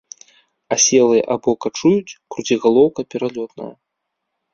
Аселыя або качуюць, круцігалоўка пералётная.